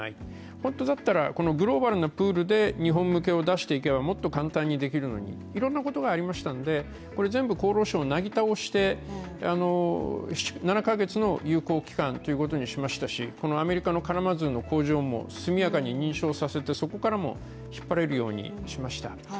本当だったらグローバルなプールで日本向けを出していけばもっと簡単にできるので、いろんなことがありましたんで、全部厚労省をなぎ倒して７カ月の有効期間ということにしましたしこのアメリカの工場も速やかに認証させてそこからも引っ張れるようにしました。